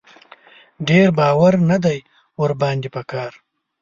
ډېر باور نه دی ور باندې په کار.